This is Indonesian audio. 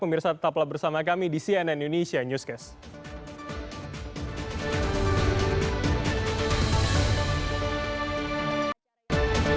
pemirsa tetaplah bersama kami di cnn indonesia newscast